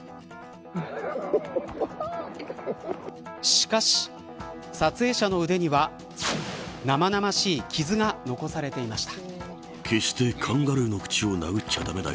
しかし撮影者の腕には生々しい傷が残されていました。